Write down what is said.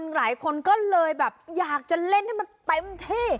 หลายคนก็เลยแบบอยากจะเล่นให้มันเต็มที่